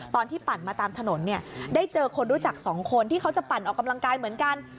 ปั่นมาตามถนนเนี่ยได้เจอคนรู้จักสองคนที่เขาจะปั่นออกกำลังกายเหมือนกัน